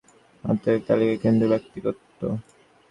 তিনি অনেক সুফি তরিকার আধ্যাত্মিক তালিকার কেন্দ্রীয় ব্যক্তিত্ব।